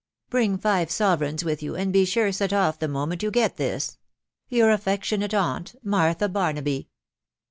Bring five sovereigns with you and be sure set off the moment you get this. " Your affectionate aunt, "Martha Barnaby."